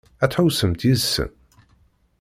Ad tḥewwsemt yid-sen?